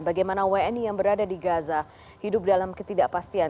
bagaimana wni yang berada di gaza hidup dalam ketidakpastian